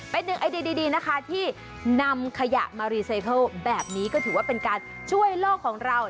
เป็นหนึ่งไอเดียดีนะคะที่นำขยะมารีไซเคิลแบบนี้ก็ถือว่าเป็นการช่วยโลกของเรา